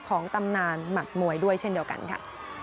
ตำนานหมัดมวยด้วยเช่นเดียวกันค่ะ